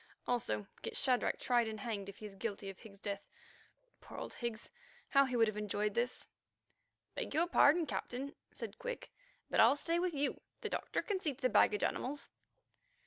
Also get Shadrach tried and hanged if he is guilty of Higgs's death. Poor old Higgs! how he would have enjoyed this." "Beg your pardon, Captain," said Quick, "but I'll stay with you. The doctor can see to the baggage animals."